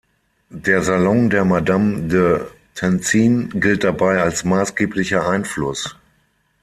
Der Salon der Madame de Tencin gilt dabei als maßgeblicher Einfluss.